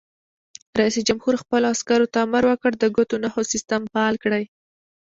رئیس جمهور خپلو عسکرو ته امر وکړ؛ د ګوتو نښو سیسټم فعال کړئ!